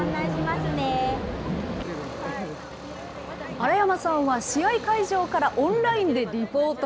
荒山さんは、試合会場からオンラインでリポート。